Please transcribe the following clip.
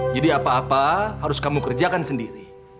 jadi apa apa harus kamu kerjakan sendiri